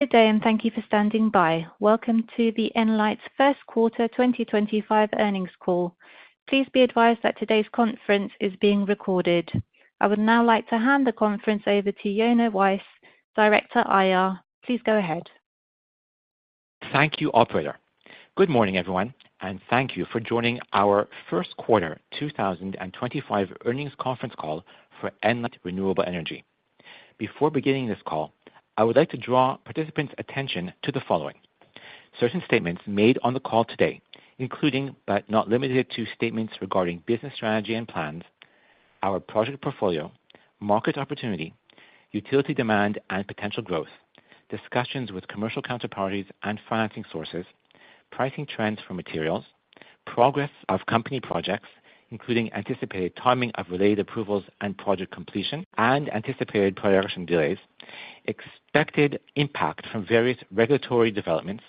Good day, and thank you for standing by. Welcome to the Enlight Renewable Energy first quarter 2025 earnings call. Please be advised that today's conference is being recorded. I would now like to hand the conference over to Yonah Weisz, Director of Investor Relations. Please go ahead. Thank you, Operator. Good morning, everyone, and thank you for joining our first quarter 2025 earnings conference call for Enlight Renewable Energy. Before beginning this call, I would like to draw participants' attention to the following: certain statements made on the call today, including but not limited to statements regarding business strategy and plans, our project portfolio, market opportunity, utility demand and potential growth, discussions with commercial counterparties and financing sources, pricing trends for materials, progress of company projects, including anticipated timing of related approvals and project completion and anticipated production delays, expected impact from various regulatory developments,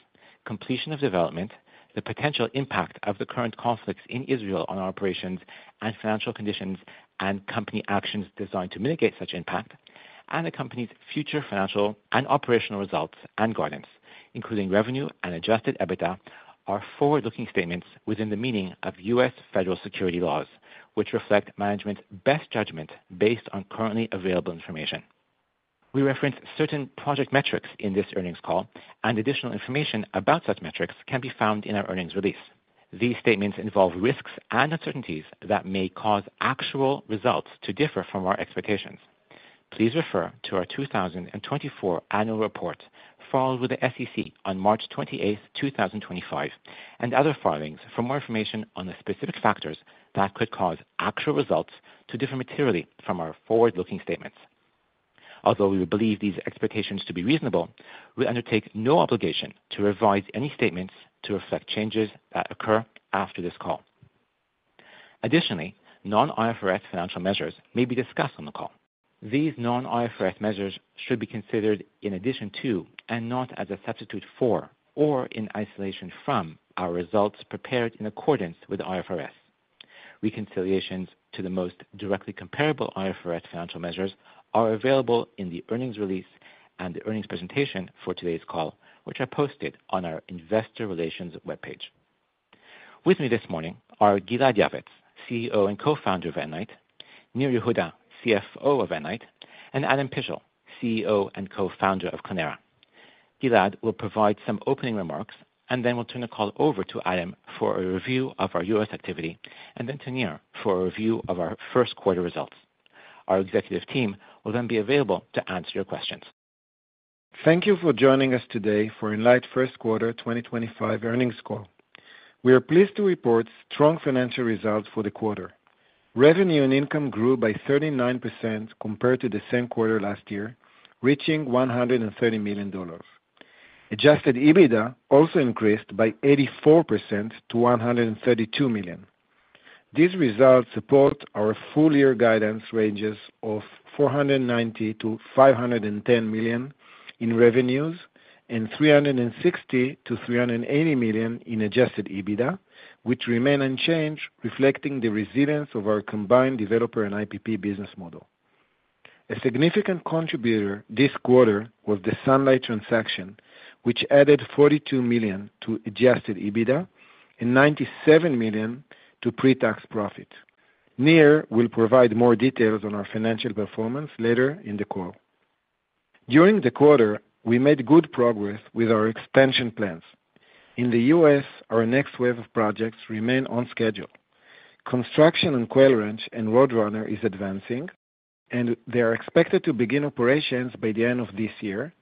completion of development, the potential impact of the current conflicts in Israel on our operations and financial conditions, and company actions designed to mitigate such impact, and the company's future financial and operational results and guidance, including revenue and adjusted EBITDA, are forward-looking statements within the meaning of U.S. Federal security laws, which reflect management's best judgment based on currently available information. We reference certain project metrics in this earnings call, and additional information about such metrics can be found in our earnings release. These statements involve risks and uncertainties that may cause actual results to differ from our expectations. Please refer to our 2024 annual report filed with the SEC on March 28, 2025, and other filings for more information on the specific factors that could cause actual results to differ materially from our forward-looking statements. Although we believe these expectations to be reasonable, we undertake no obligation to revise any statements to reflect changes that occur after this call. Additionally, non-IFRS financial measures may be discussed on the call. These non-IFRS measures should be considered in addition to, and not as a substitute for, or in isolation from, our results prepared in accordance with IFRS. Reconciliations to the most directly comparable IFRS financial measures are available in the earnings release and the earnings presentation for today's call, which are posted on our Investor Relations webpage. With me this morning are Gilad Yavetz, CEO and co-founder of Enlight; Nir Yehuda, CFO of Enlight; and Adam Pishl, CEO and co-founder of Clenera. Gilad will provide some opening remarks and then will turn the call over to Adam for a review of our U.S. activity, and then to Nir for a review of our first quarter results. Our executive team will then be available to answer your questions. Thank you for joining us today for Enlight First Quarter 2025 earnings call. We are pleased to report strong financial results for the quarter. Revenue and income grew by 39% compared to the same quarter last year, reaching $130 million. Adjusted EBITDA also increased by 84% to $132 million. These results support our full-year guidance ranges of $490 million-$510 million in revenues and $360 million-$380 million in adjusted EBITDA, which remain unchanged, reflecting the resilience of our combined developer and IPP business model. A significant contributor this quarter was the Sunlight transaction, which added $42 million to adjusted EBITDA and $97 million to pre-tax profit. Nir will provide more details on our financial performance later in the call. During the quarter, we made good progress with our expansion plans. In the U.S., our next wave of projects remains on schedule. Construction on Quail Ranch and Road Runner is advancing, and they are expected to begin operations by the end of this year,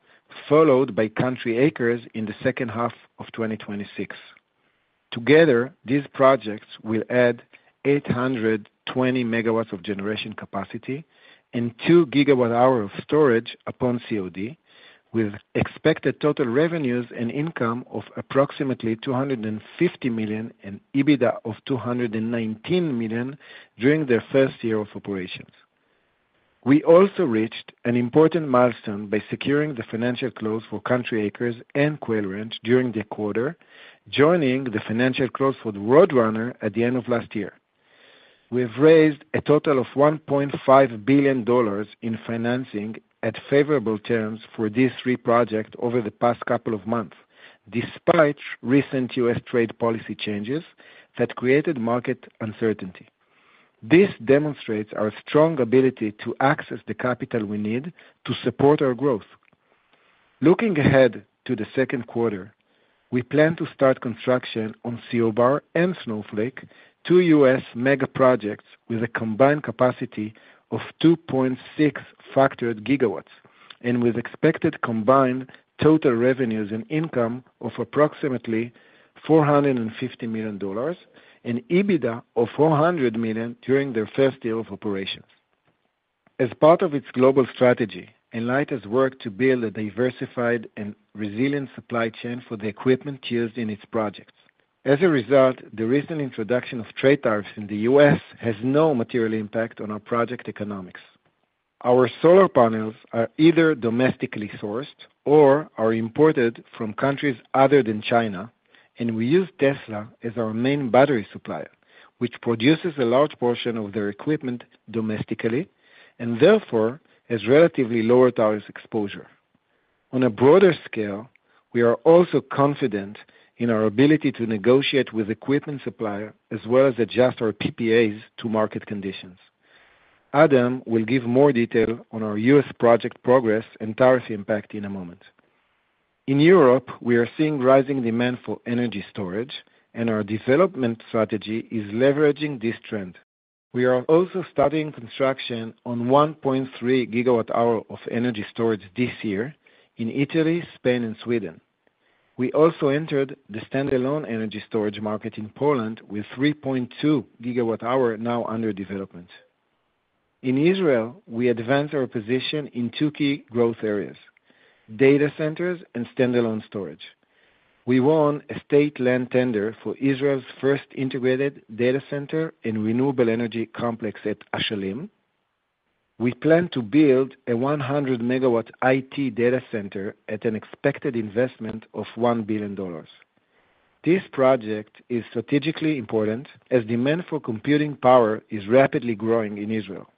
followed by Country Acres in the second half of 2026. Together, these projects will add 820 megawatts of generation capacity and 2 gigawatt-hours of storage upon COD, with expected total revenues and income of approximately $250 million and EBITDA of $219 million during their first year of operations. We also reached an important milestone by securing the financial close for Country Acres and Quail Ranch during the quarter, joining the financial close for the Road Runner at the end of last year. We have raised a total of $1.5 billion in financing at favorable terms for these three projects over the past couple of months, despite recent U.S. trade policy changes that created market uncertainty. This demonstrates our strong ability to access the capital we need to support our growth. Looking ahead to the second quarter, we plan to start construction on Seobar and Snowflake, two U.S. mega projects with a combined capacity of 2.6 factored gigawatts and with expected combined total revenues and income of approximately $450 million and EBITDA of $400 million during their first year of operations. As part of its global strategy, Enlight has worked to build a diversified and resilient supply chain for the equipment used in its projects. As a result, the recent introduction of trade tariffs in the U.S. has no material impact on our project economics. Our solar panels are either domestically sourced or are imported from countries other than China, and we use Tesla as our main battery supplier, which produces a large portion of their equipment domestically and therefore has relatively lower tariff exposure. On a broader scale, we are also confident in our ability to negotiate with equipment suppliers as well as adjust our PPAs to market conditions. Adam will give more detail on our U.S. project progress and tariff impact in a moment. In Europe, we are seeing rising demand for energy storage, and our development strategy is leveraging this trend. We are also starting construction on 1.3 gigawatt-hours of energy storage this year in Italy, Spain, and Sweden. We also entered the standalone energy storage market in Poland with 3.2 gigawatt-hours now under development. In Israel, we advance our position in two key growth areas: data centers and standalone storage. We won a state-land tender for Israel's first integrated data center and renewable energy complex at Ashalim. We plan to build a 100-megawatt IT data center at an expected investment of $1 billion. This project is strategically important as demand for computing power is rapidly growing in Israel.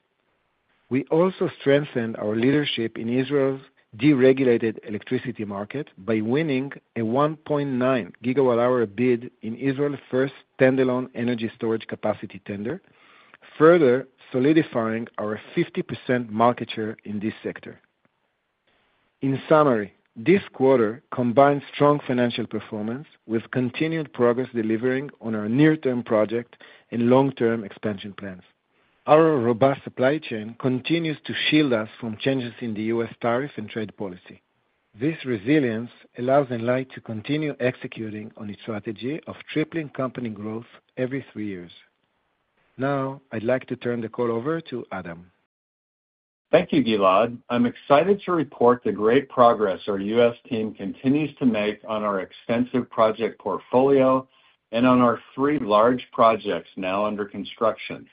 We also strengthened our leadership in Israel's deregulated electricity market by winning a 1.9 gigawatt-hour bid in Israel's first standalone energy storage capacity tender, further solidifying our 50% market share in this sector. In summary, this quarter combines strong financial performance with continued progress delivering on our near-term project and long-term expansion plans. Our robust supply chain continues to shield us from changes in the U.S. tariff and trade policy. This resilience allows Enlight to continue executing on its strategy of tripling company growth every three years. Now, I'd like to turn the call over to Adam. Thank you, Gilad. I'm excited to report the great progress our U.S. team continues to make on our extensive project portfolio and on our three large projects now under construction.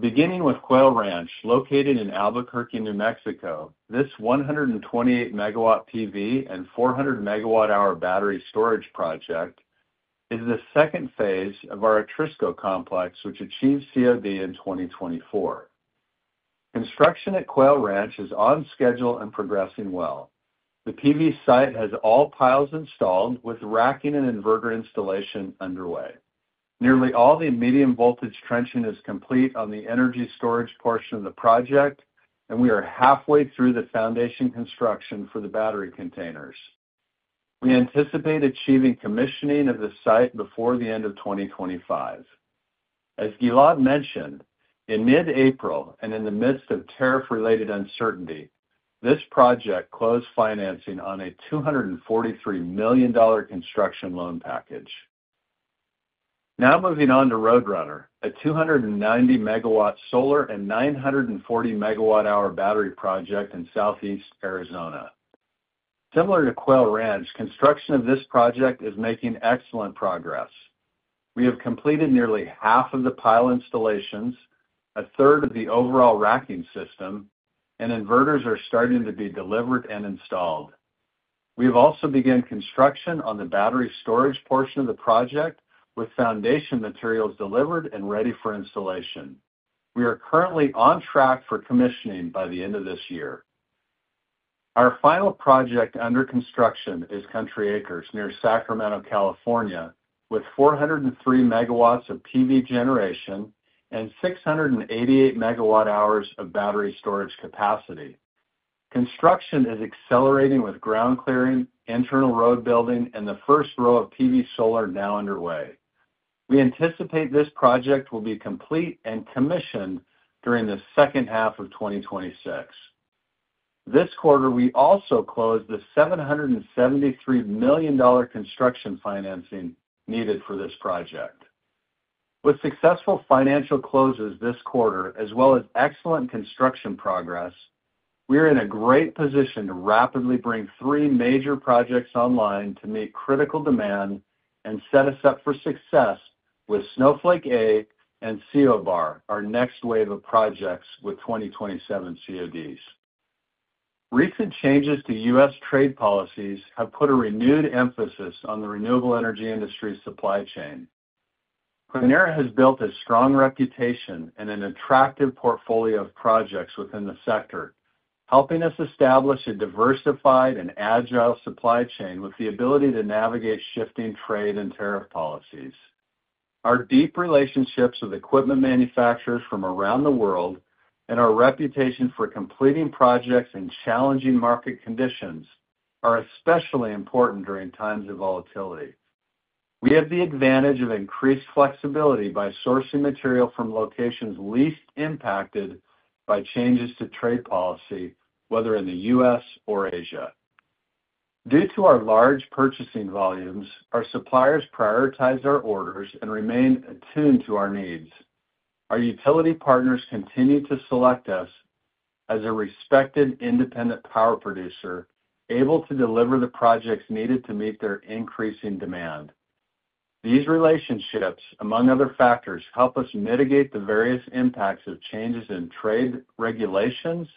Beginning with Quail Ranch, located in Albuquerque, New Mexico, this 128 MW PV and 400 MWh battery storage project is the second phase of our Etrusco complex, which achieved COD in 2024. Construction at Quail Ranch is on schedule and progressing well. The PV site has all piles installed, with racking and inverter installation underway. Nearly all the medium-voltage trenching is complete on the energy storage portion of the project, and we are halfway through the foundation construction for the battery containers. We anticipate achieving commissioning of the site before the end of 2025. As Gilad mentioned, in mid-April and in the midst of tariff-related uncertainty, this project closed financing on a $243 million construction loan package. Now moving on to Road Runner, a 290 MW solar and 940 MWh battery project in southeast Arizona. Similar to Quail Ranch, construction of this project is making excellent progress. We have completed nearly half of the pile installations, a third of the overall racking system, and inverters are starting to be delivered and installed. We have also begun construction on the battery storage portion of the project, with foundation materials delivered and ready for installation. We are currently on track for commissioning by the end of this year. Our final project under construction is Country Acres near Sacramento, California, with 403 MW of PV generation and 688 MWh of battery storage capacity. Construction is accelerating with ground clearing, internal road building, and the first row of PV solar now underway. We anticipate this project will be complete and commissioned during the second half of 2026. This quarter, we also closed the $773 million construction financing needed for this project. With successful financial closes this quarter, as well as excellent construction progress, we are in a great position to rapidly bring three major projects online to meet critical demand and set us up for success with Snowflake and Seobar, our next wave of projects with 2027 CODs. Recent changes to U.S. trade policies have put a renewed emphasis on the renewable energy industry supply chain. Clenera has built a strong reputation and an attractive portfolio of projects within the sector, helping us establish a diversified and agile supply chain with the ability to navigate shifting trade and tariff policies. Our deep relationships with equipment manufacturers from around the world and our reputation for completing projects in challenging market conditions are especially important during times of volatility. We have the advantage of increased flexibility by sourcing material from locations least impacted by changes to trade policy, whether in the U.S. or Asia. Due to our large purchasing volumes, our suppliers prioritize our orders and remain attuned to our needs. Our utility partners continue to select us as a respected independent power producer able to deliver the projects needed to meet their increasing demand. These relationships, among other factors, help us mitigate the various impacts of changes in trade regulations,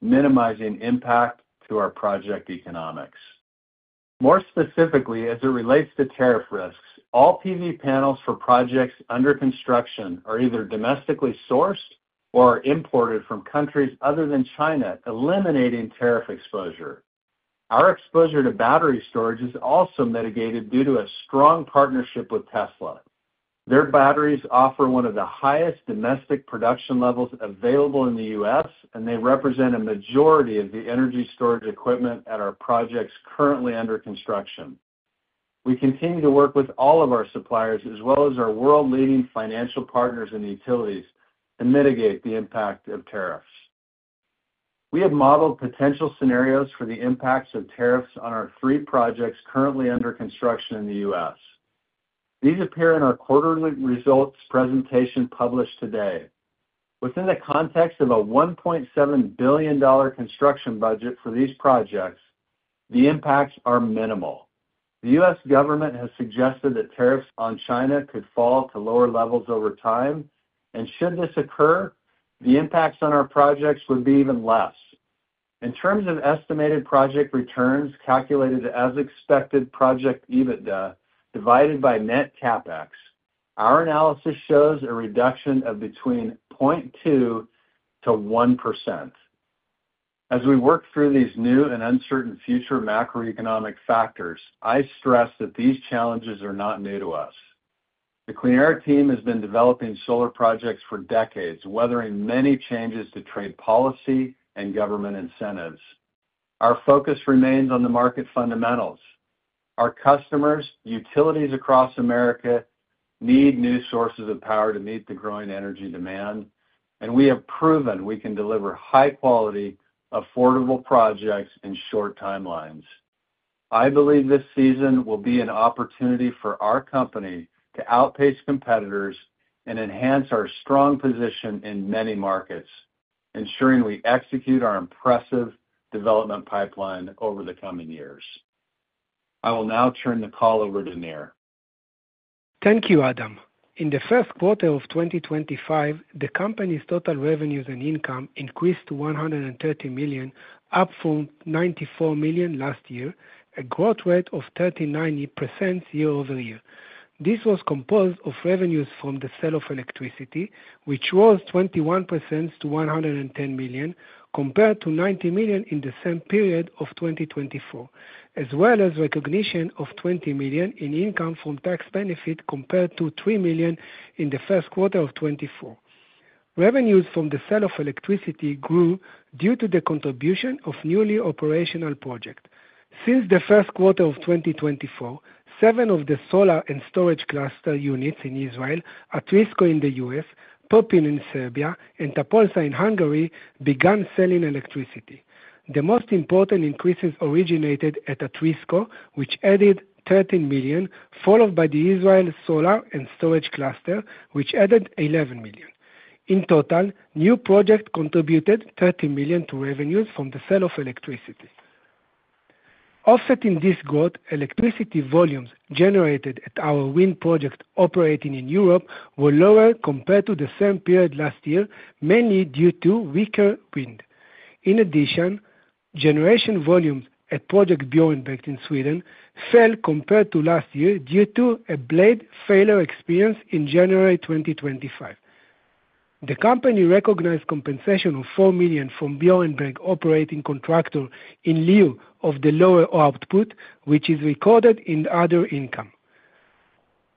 minimizing impact to our project economics. More specifically, as it relates to tariff risks, all PV panels for projects under construction are either domestically sourced or are imported from countries other than China, eliminating tariff exposure. Our exposure to battery storage is also mitigated due to a strong partnership with Tesla. Their batteries offer one of the highest domestic production levels available in the U.S., and they represent a majority of the energy storage equipment at our projects currently under construction. We continue to work with all of our suppliers, as well as our world-leading financial partners and utilities, to mitigate the impact of tariffs. We have modeled potential scenarios for the impacts of tariffs on our three projects currently under construction in the U.S. These appear in our quarterly results presentation published today. Within the context of a $1.7 billion construction budget for these projects, the impacts are minimal. The U.S. government has suggested that tariffs on China could fall to lower levels over time, and should this occur, the impacts on our projects would be even less. In terms of estimated project returns calculated as expected project EBITDA divided by net capex, our analysis shows a reduction of between 0.2%-1%. As we work through these new and uncertain future macroeconomic factors, I stress that these challenges are not new to us. The Clenera team has been developing solar projects for decades, weathering many changes to trade policy and government incentives. Our focus remains on the market fundamentals. Our customers, utilities across America, need new sources of power to meet the growing energy demand, and we have proven we can deliver high-quality, affordable projects in short timelines. I believe this season will be an opportunity for our company to outpace competitors and enhance our strong position in many markets, ensuring we execute our impressive development pipeline over the coming years. I will now turn the call over to Nir. Thank you, Adam. In the first quarter of 2025, the company's total revenues and income increased to $130 million, up from $94 million last year, a growth rate of 39% year over year. This was composed of revenues from the sale of electricity, which rose 21% to $110 million, compared to $90 million in the same period of 2024, as well as recognition of $20 million in income from tax benefit compared to $3 million in the first quarter of 2024. Revenues from the sale of electricity grew due to the contribution of newly operational projects. Since the first quarter of 2024, seven of the solar and storage cluster units in Israel, Etrusco in the U.S., Poppin in Serbia, and Topolza in Hungary began selling electricity. The most important increases originated at Etrusco, which added $13 million, followed by the Israel Solar and Storage Cluster, which added $11 million. In total, new projects contributed $30 million to revenues from the sale of electricity. Offsetting this growth, electricity volumes generated at our wind project operating in Europe were lower compared to the same period last year, mainly due to weaker wind. In addition, generation volumes at Project Björnberg in Sweden fell compared to last year due to a blade failure experienced in January 2025. The company recognized compensation of $4 million from Björnberg operating contractor in lieu of the lower output, which is recorded in other income.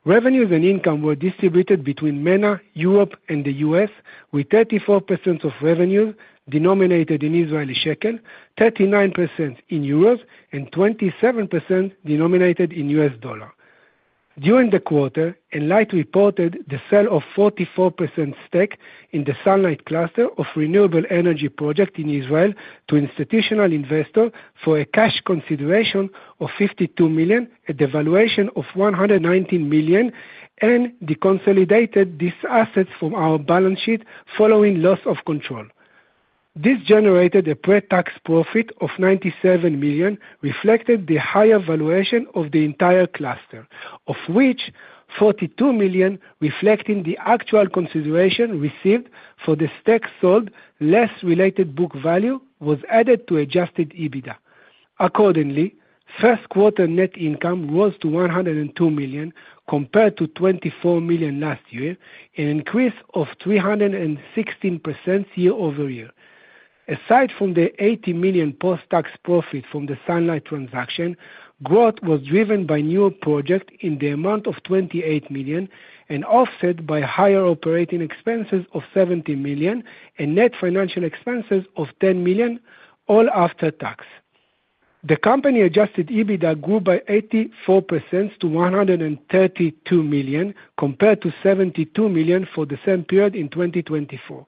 Revenues and income were distributed between MENA, Europe, and the U.S., with 34% of revenues denominated in Israeli shekel, 39% in euros, and 27% denominated in U.S. dollars. During the quarter, Enlight reported the sale of 44% stake in the Sunlight Cluster of renewable energy project in Israel to institutional investors for a cash consideration of $52 million at the valuation of $119 million, and de-consolidated these assets from our balance sheet following loss of control. This generated a pre-tax profit of $97 million, reflecting the higher valuation of the entire cluster, of which $42 million, reflecting the actual consideration received for the stake sold less related book value, was added to adjusted EBITDA. Accordingly, first quarter net income rose to $102 million compared to $24 million last year, an increase of 316% year over year. Aside from the $80 million post-tax profit from the Sunlight transaction, growth was driven by new projects in the amount of $28 million, and offset by higher operating expenses of $70 million and net financial expenses of $10 million, all after tax. The company-adjusted EBITDA grew by 84% to $132 million compared to $72 million for the same period in 2024.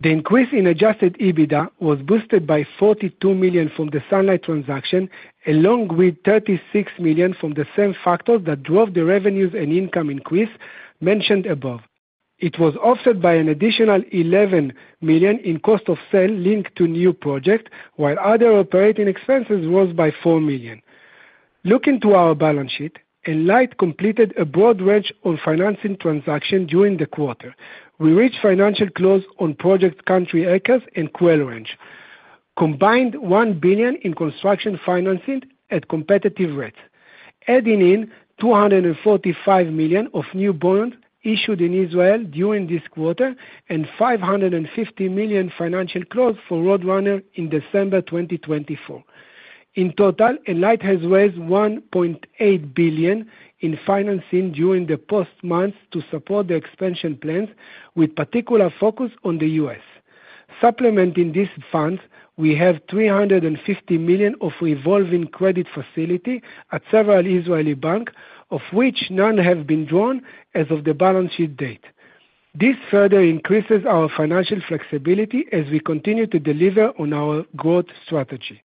The increase in adjusted EBITDA was boosted by $42 million from the Sunlight transaction, along with $36 million from the same factors that drove the revenues and income increase mentioned above. It was offset by an additional $11 million in cost of sale linked to new projects, while other operating expenses rose by $4 million. Looking to our balance sheet, Enlight completed a broad range of financing transactions during the quarter. We reached financial close on projects Country Acres and Quail Ranch, combined $1 billion in construction financing at competitive rates, adding in $245 million of new bonds issued in Israel during this quarter and $550 million financial close for Road Runner in December 2024. In total, Enlight has raised $1.8 billion in financing during the past months to support the expansion plans, with particular focus on the U.S. Supplementing these funds, we have $350 million of revolving credit facility at several Israeli banks, of which none have been drawn as of the balance sheet date. This further increases our financial flexibility as we continue to deliver on our growth strategy.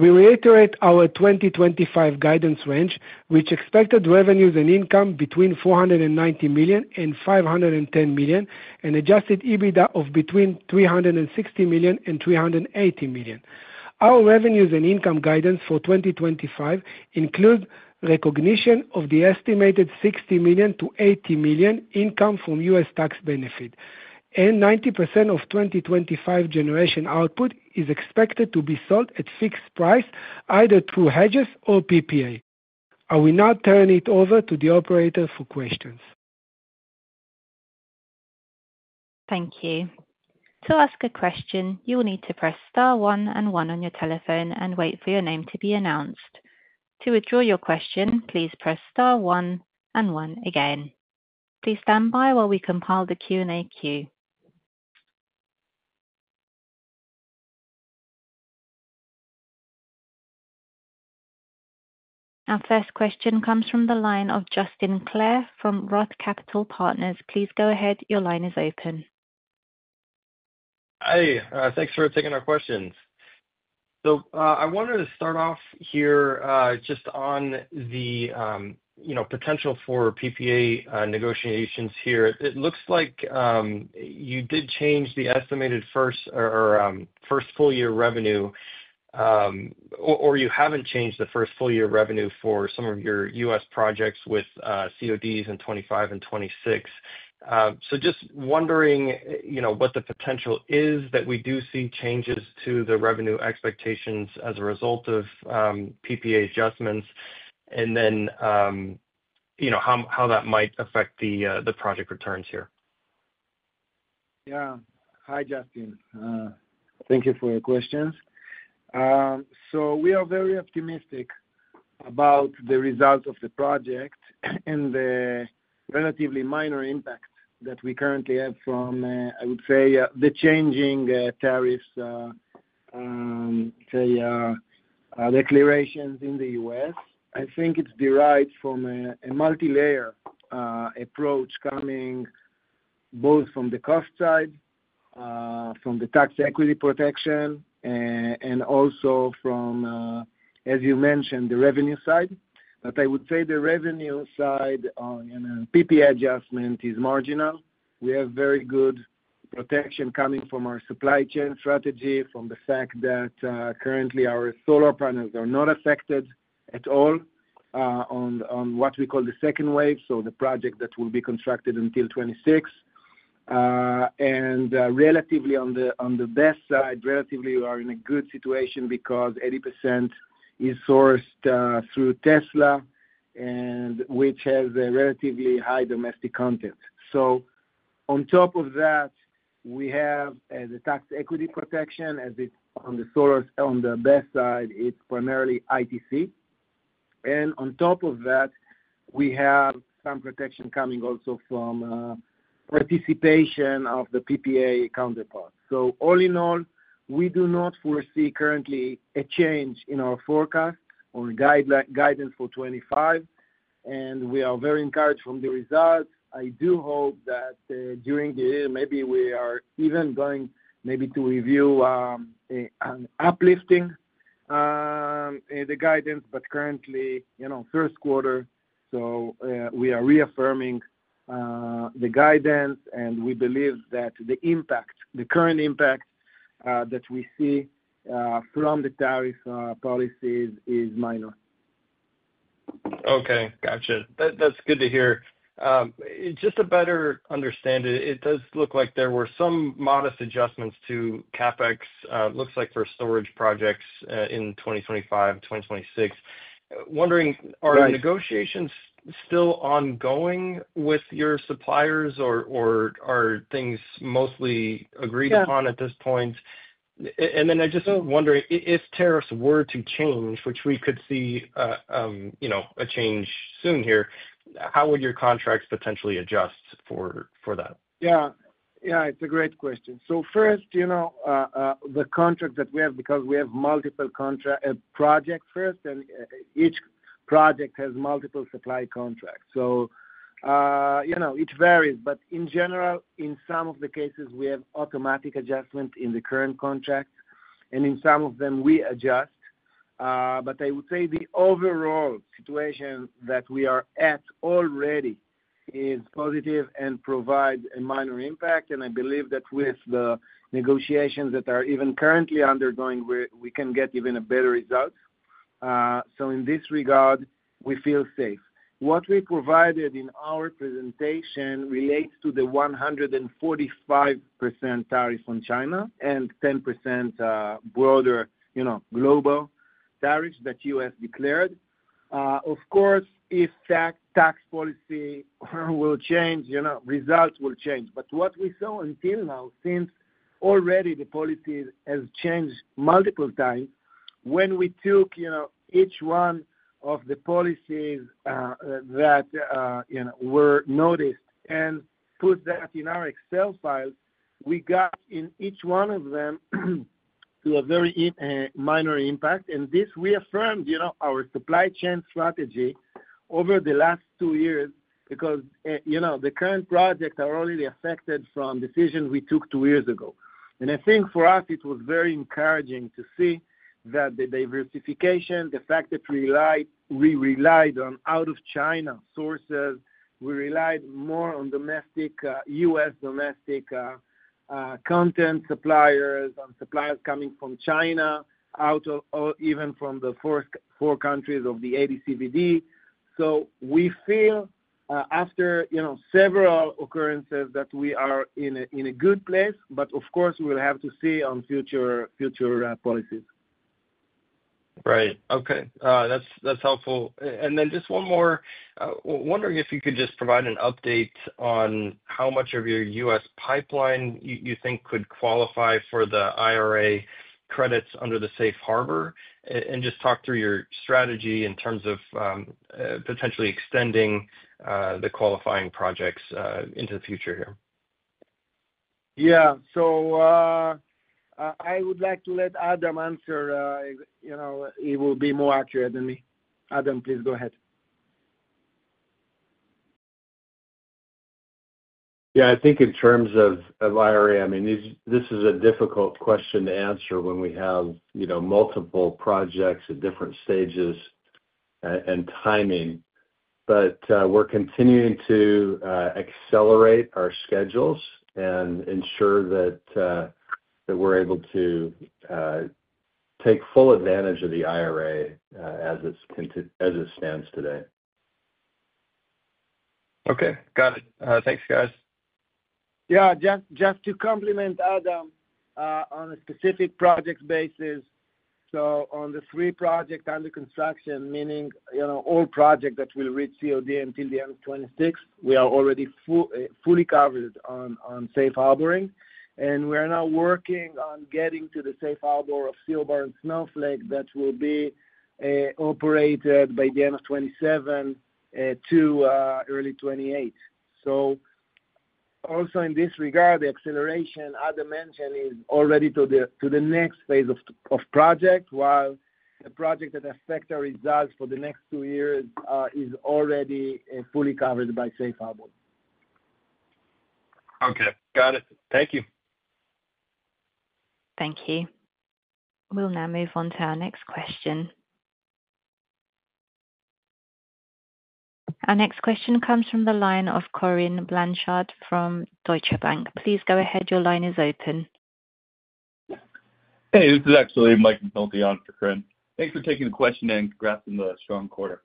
We reiterate our 2025 guidance range, which expected revenues and income between $490 million and $510 million, and adjusted EBITDA of between $360 million and $380 million. Our revenues and income guidance for 2025 includes recognition of the estimated $60 million-$80 million income from U.S. tax benefit, and 90% of 2025 generation output is expected to be sold at fixed price, either through hedges or PPA. I will now turn it over to the operator for questions. Thank you. To ask a question, you will need to press star one and one on your telephone and wait for your name to be announced. To withdraw your question, please press star one and one again. Please stand by while we compile the Q&A queue. Our first question comes from the line of Justin Clare from Roth Capital Partners. Please go ahead. Your line is open. Hi. Thanks for taking our questions. I wanted to start off here just on the potential for PPA negotiations here. It looks like you did change the estimated first full year revenue, or you haven't changed the first full year revenue for some of your U.S. projects with CODs in 2025 and 2026. I am just wondering what the potential is that we do see changes to the revenue expectations as a result of PPA adjustments, and then how that might affect the project returns here. Yeah. Hi, Justin. Thank you for your questions. We are very optimistic about the result of the project and the relatively minor impact that we currently have from, I would say, the changing tariffs, say, declarations in the U.S. I think it's derived from a multi-layer approach coming both from the cost side, from the tax equity protection, and also from, as you mentioned, the revenue side. I would say the revenue side on PPA adjustment is marginal. We have very good protection coming from our supply chain strategy, from the fact that currently our solar panels are not affected at all on what we call the second wave, so the project that will be constructed until 2026. Relatively on the BESS side, we are in a good situation because 80% is sourced through Tesla, which has a relatively high domestic content. On top of that, we have the tax equity protection, as it's on the best side, it's primarily ITC. On top of that, we have some protection coming also from participation of the PPA counterparts. All in all, we do not foresee currently a change in our forecasts or guidance for 2025, and we are very encouraged from the results. I do hope that during the year, maybe we are even going maybe to review an uplifting of the guidance, but currently, first quarter, we are reaffirming the guidance, and we believe that the current impact that we see from the tariff policies is minor. Okay. Gotcha. That's good to hear. Just a better understanding, it does look like there were some modest adjustments to CapEx, looks like for storage projects in 2025, 2026. Wondering, are the negotiations still ongoing with your suppliers, or are things mostly agreed upon at this point? I just wondering, if tariffs were to change, which we could see a change soon here, how would your contracts potentially adjust for that? Yeah. Yeah. It's a great question. First, the contract that we have, because we have multiple projects first, and each project has multiple supply contracts. It varies. In general, in some of the cases, we have automatic adjustment in the current contracts, and in some of them, we adjust. I would say the overall situation that we are at already is positive and provides a minor impact. I believe that with the negotiations that are even currently undergoing, we can get even a better result. In this regard, we feel safe. What we provided in our presentation relates to the 145% tariff on China and 10% broader global tariffs that the U.S. declared. Of course, if tax policy will change, results will change. What we saw until now, since already the policy has changed multiple times, when we took each one of the policies that were noticed and put that in our Excel files, we got in each one of them to a very minor impact. This reaffirmed our supply chain strategy over the last two years because the current projects are already affected from decisions we took two years ago. I think for us, it was very encouraging to see that the diversification, the fact that we relied on out-of-China sources, we relied more on U.S. domestic content suppliers and suppliers coming from China, even from the four countries of the ADCVD. We feel after several occurrences that we are in a good place, but of course, we will have to see on future policies. Right. Okay. That's helpful. Just one more. Wondering if you could just provide an update on how much of your U.S. pipeline you think could qualify for the IRA credits under the safe harbor, and just talk through your strategy in terms of potentially extending the qualifying projects into the future here. Yeah. I would like to let Adam answer. He will be more accurate than me. Adam, please go ahead. Yeah. I think in terms of IRA, I mean, this is a difficult question to answer when we have multiple projects at different stages and timing. We are continuing to accelerate our schedules and ensure that we are able to take full advantage of the IRA as it stands today. Okay. Got it. Thanks, guys. Yeah. Just to complement Adam on a specific project basis, on the three projects under construction, meaning all projects that will reach COD until the end of 2026, we are already fully covered on safe harboring. We are now working on getting to the safe harbor of Seobar and Snowflake that will be operated by the end of 2027 to early 2028. Also in this regard, the acceleration Adam mentioned is already to the next phase of projects, while the project that affects our results for the next two years is already fully covered by safe harbor. Okay. Got it. Thank you. Thank you. We'll now move on to our next question. Our next question comes from the line of Corinne Blanchard from Deutsche Bank. Please go ahead. Your line is open. Hey. This is actually Mike McNulty on for Corinne. Thanks for taking the question and congrats on the strong quarter.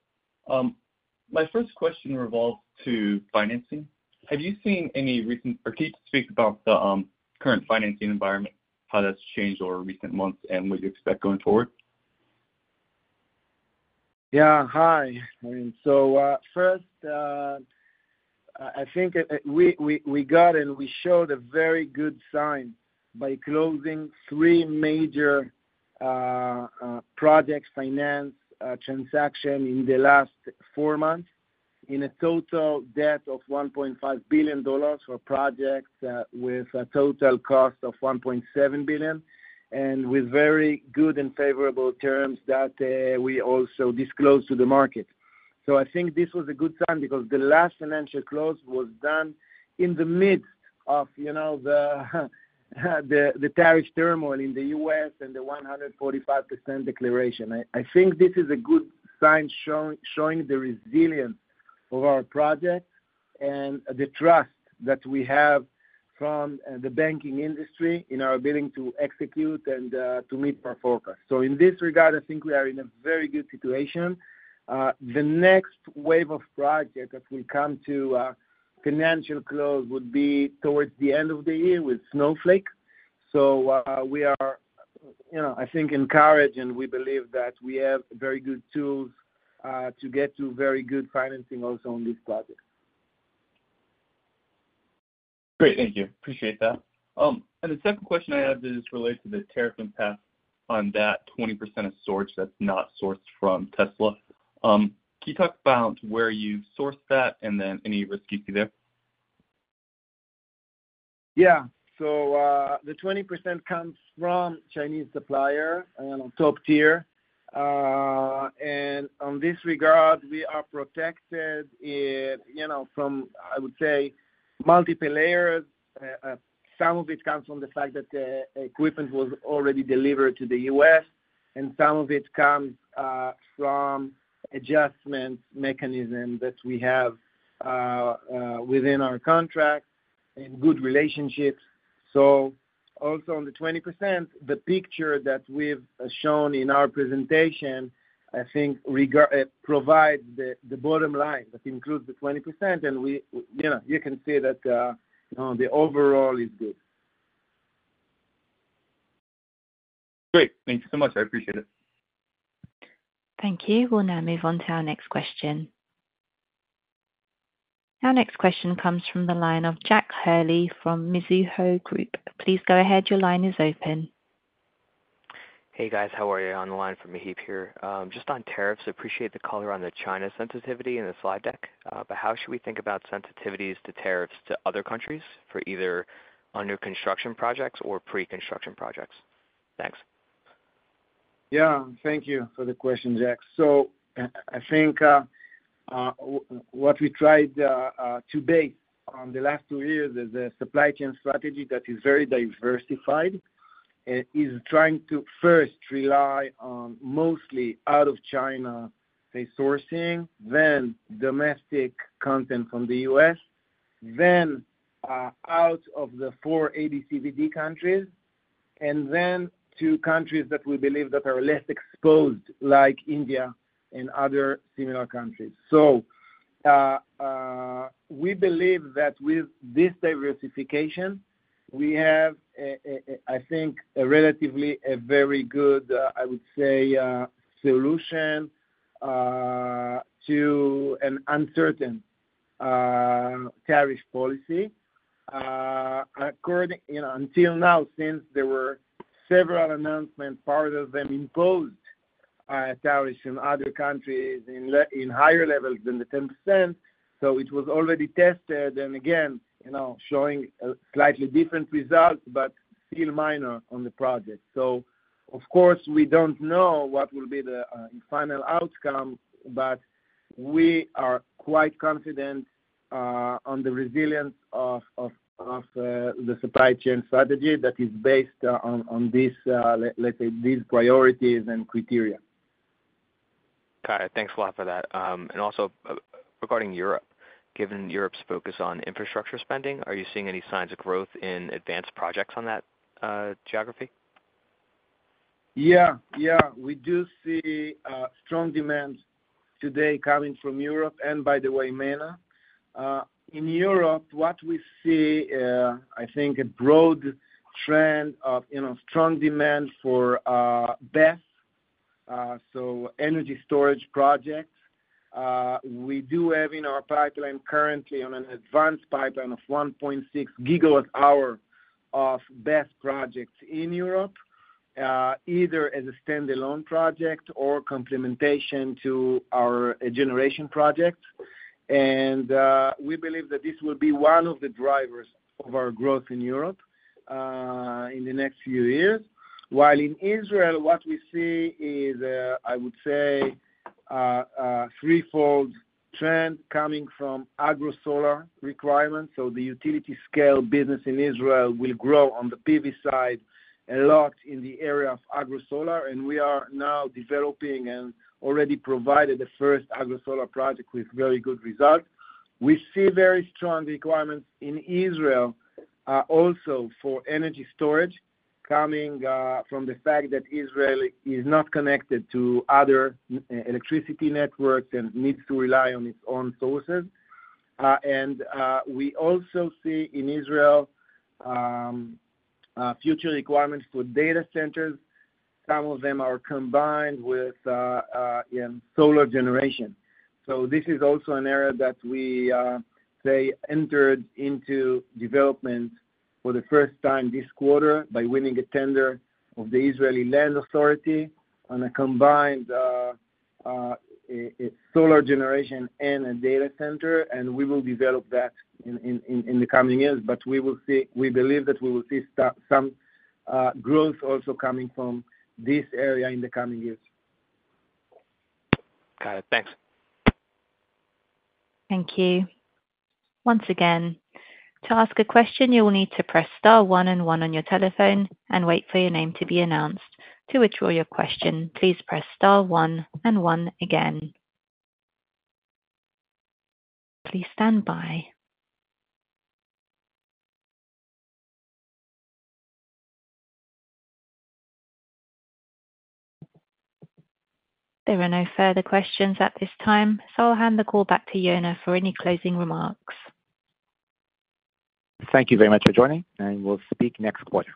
My first question revolves to financing. Have you seen any recent or can you speak about the current financing environment, how that's changed over recent months, and what you expect going forward? Yeah. Hi. First, I think we got and we showed a very good sign by closing three major project finance transactions in the last four months in a total debt of $1.5 billion for projects with a total cost of $1.7 billion, and with very good and favorable terms that we also disclosed to the market. I think this was a good sign because the last financial close was done in the midst of the tariff turmoil in the U.S. and the 145% declaration. I think this is a good sign showing the resilience of our projects and the trust that we have from the banking industry in our ability to execute and to meet our forecasts. In this regard, I think we are in a very good situation. The next wave of projects that will come to financial close would be towards the end of the year with Snowflake. We are, I think, encouraged, and we believe that we have very good tools to get to very good financing also on these projects. Great. Thank you. Appreciate that. The second question I have is related to the tariff impact on that 20% of storage that's not sourced from Tesla. Can you talk about where you source that and then any risk you see there? Yeah. The 20% comes from Chinese suppliers and top tier. In this regard, we are protected from, I would say, multiple layers. Some of it comes from the fact that the equipment was already delivered to the U.S., and some of it comes from adjustment mechanisms that we have within our contract and good relationships. Also on the 20%, the picture that we have shown in our presentation, I think, provides the bottom line that includes the 20%, and you can see that the overall is good. Great. Thank you so much. I appreciate it. Thank you. We'll now move on to our next question. Our next question comes from the line of Jack Hurley from Mizuho Group. Please go ahead. Your line is open. Hey, guys. How are you? On the line from Maheep here. Just on tariffs, I appreciate the color on the China sensitivity in the slide deck, but how should we think about sensitivities to tariffs to other countries for either under construction projects or pre-construction projects? Thanks. Yeah. Thank you for the question, Jack. I think what we tried to base on the last two years is a supply chain strategy that is very diversified, is trying to first rely on mostly out-of-China, say, sourcing, then domestic content from the U.S., then out of the four ADCVD countries, and then to countries that we believe that are less exposed, like India and other similar countries. We believe that with this diversification, we have, I think, relatively a very good, I would say, solution to an uncertain tariff policy. Until now, since there were several announcements, part of them imposed tariffs in other countries in higher levels than the 10%. It was already tested and, again, showing slightly different results, but still minor on the project. Of course, we don't know what will be the final outcome, but we are quite confident on the resilience of the supply chain strategy that is based on, let's say, these priorities and criteria. Got it. Thanks a lot for that. Also regarding Europe, given Europe's focus on infrastructure spending, are you seeing any signs of growth in advanced projects on that geography? Yeah. Yeah. We do see strong demand today coming from Europe and, by the way, MENA. In Europe, what we see, I think, a broad trend of strong demand for BESS, so energy storage projects. We do have in our pipeline currently an advanced pipeline of 1.6 gigawatt-hour of BESS projects in Europe, either as a standalone project or complementation to our generation projects. We believe that this will be one of the drivers of our growth in Europe in the next few years. While in Israel, what we see is, I would say, a threefold trend coming from agrosolar requirements. The utility-scale business in Israel will grow on the PV side a lot in the area of agrosolar. We are now developing and already provided the first agrosolar project with very good results. We see very strong requirements in Israel also for energy storage coming from the fact that Israel is not connected to other electricity networks and needs to rely on its own sources. We also see in Israel future requirements for data centers. Some of them are combined with solar generation. This is also an area that we, say, entered into development for the first time this quarter by winning a tender of the Israeli Land Authority on a combined solar generation and a data center. We will develop that in the coming years. We believe that we will see some growth also coming from this area in the coming years. Got it. Thanks. Thank you. Once again, to ask a question, you will need to press star one and one on your telephone and wait for your name to be announced. To withdraw your question, please press star one and one again. Please stand by. There are no further questions at this time, so I'll hand the call back to Yonah for any closing remarks. Thank you very much for joining, and we'll speak next quarter.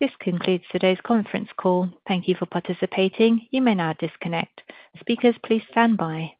This concludes today's conference call. Thank you for participating. You may now disconnect. Speakers, please stand by.